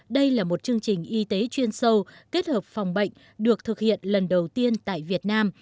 đây là một chương trình y tế chuyên sâu kết hợp phòng bệnh được thực hiện lần đầu tiên tại việt nam